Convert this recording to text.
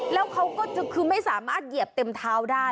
แล้วเขาก็คือไม่สามารถเหยียบเต็มเท้าได้